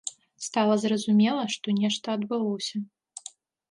Стала зразумела, што нешта адбылося.